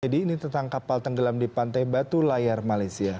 jadi ini tentang kapal tenggelam di pantai batu layar malaysia